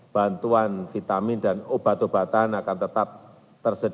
bantuan vitamin dan obat obatan akan tetap tersedia